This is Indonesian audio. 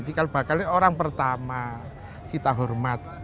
cikal bakal ini orang pertama kita hormat